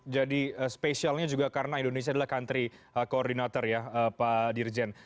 jadi spesialnya juga karena indonesia adalah country coordinator ya pak dirjen